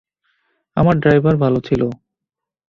আমার ড্রাইভার ভাল ছিল।